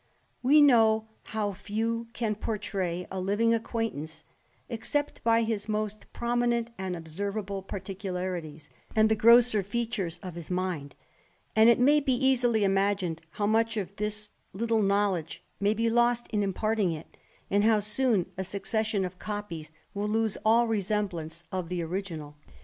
We know how few can pourtray a living acquaintance, except by his most jaominent and observable particularities, and the grosser icatures of lus mind ; and it may be easily imagined how much of this Uttle knowledge may be lost in imparting it, and how soon a succession of copies will lose all resem e of the original.